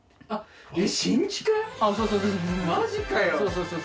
そうそう。